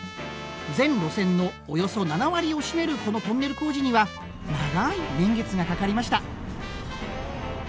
全路線のおよそ７割を占めるこのトンネル工事には長い年月がかかりました。